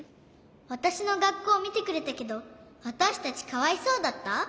わたしのがっこうみてくれたけどわたしたちかわいそうだった？